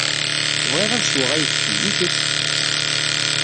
Bɣiɣ ad sweɣ ayefki, i kečč?